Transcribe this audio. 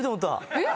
えっ⁉